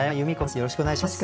よろしくお願いします。